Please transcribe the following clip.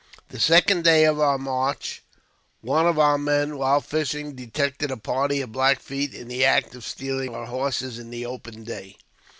The second day of our march, one of our men, while fishing, detected a party of Black Feet in the act of stealing our horses in the open day.